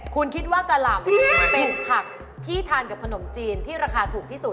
คุณคิดว่ากะหล่ำเป็นผักที่ทานกับขนมจีนที่ราคาถูกที่สุด